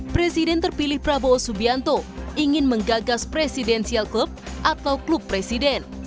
presiden terpilih prabowo subianto ingin menggagas presidensial klub atau klub presiden